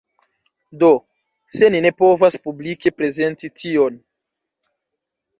Do, se ni ne povas publike prezenti tion